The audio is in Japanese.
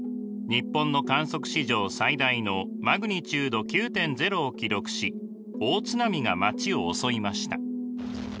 日本の観測史上最大のマグニチュード９．０を記録し大津波が街を襲いました。